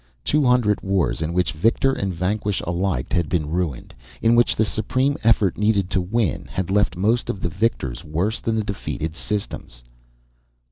Two hundred wars in which victor and vanquished alike had been ruined in which the supreme effort needed to win had left most of the victors worse than the defeated systems.